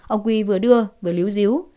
ông quy vừa đưa vừa líu díu